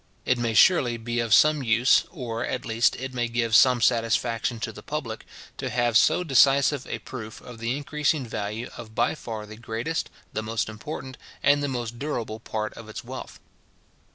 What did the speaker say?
It may surely be of some use, or, at least, it may give some satisfaction to the public, to have so decisive a proof of the increasing value of by far the greatest, the most important, and the most durable part of its wealth.